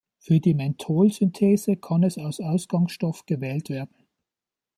Für die Menthol-Synthese kann es als Ausgangsstoff gewählt werden.